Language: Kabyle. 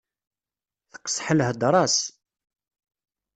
Teqseḥ lhedra-s.